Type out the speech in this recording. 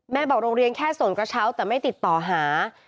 บอกโรงเรียนแค่ส่วนกระเช้าแต่ไม่ติดต่อหา